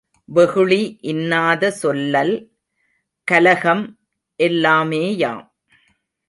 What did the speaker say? வெகுளி இன்னாத சொல்லல், கலகம் எல்லாமேயாம்.